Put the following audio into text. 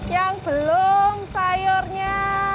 yang belum sayurnya